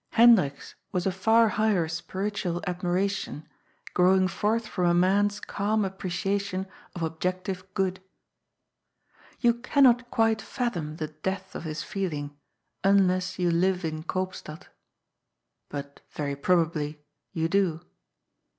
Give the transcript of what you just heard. Hendrik's was a far higher spiritual admiration, growing forth from a man's calm appreciation of objective good. TREATS OP RELIGION, 191 Tou cannot quite fathom the depth of his feeling, un less you live in Koopstad. But, yery probably, you do.